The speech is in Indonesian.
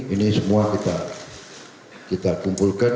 ini semua kita kumpulkan